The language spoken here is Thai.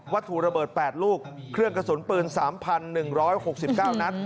ถูกระเบิด๘ลูกเครื่องกระสุนปืน๓๑๖๙นัด